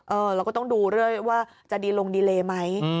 เราก็ต้องดูด้วยว่าจะดีลงดีเลไหม